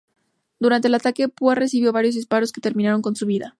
Durante el ataque, Púa recibió varios disparos que terminaron con su vida.